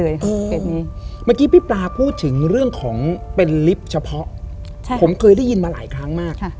เมื่อกี้พี่ปลาพูดถึงเรื่องของเป็นลิฟต์เฉพาะผมเคยได้ยินมาหลายครั้งมาก